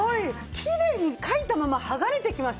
きれいに書いたまま剥がれていきましたよね。